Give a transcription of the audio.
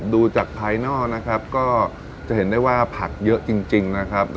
ดูจากภายนอกนะครับก็จะเห็นได้ว่าผักเยอะจริงนะครับ